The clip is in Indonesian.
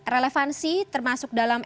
relevansi termasuk dalam